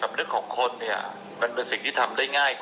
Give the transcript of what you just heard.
ก็มีหลายคนที่เข้ามาตำนีดอีกเรียน